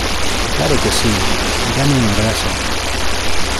Claro que sí. Dame un abrazo .